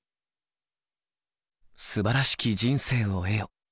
「素晴らしき人生を得よ」。